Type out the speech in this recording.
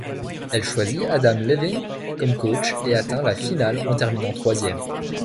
Elle choisit Adam Levine comme coach, et atteint la finale en terminant troisième.